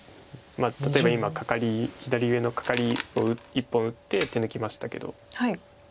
例えば今カカリ左上のカカリを１本打って手抜きましたけど。